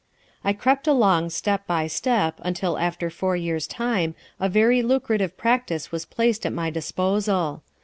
"I crept along step by step, until after four years' time, a very lucrative practice was placed at my disposal.